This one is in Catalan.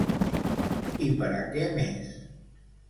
I per a què més?